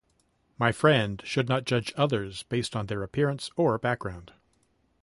My friend should not judge others based on their appearance or background.